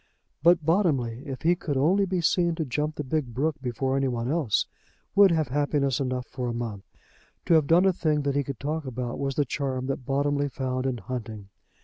But Bottomley, if he could only be seen to jump the big brook before any one else, would have happiness enough for a month. To have done a thing that he could talk about was the charm that Bottomley found in hunting.